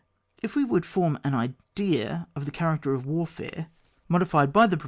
If we would form an idea of the character of warfare modified by the pre 8 ON WAR.